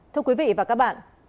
thưa quý vị và các bạn